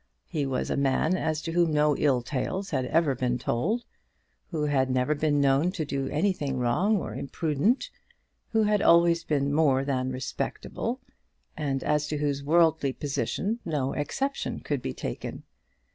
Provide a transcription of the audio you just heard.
He was a man as to whom no ill tales had ever been told; who had never been known to do anything wrong or imprudent; who had always been more than respectable, and as to whose worldly position no exception could be taken.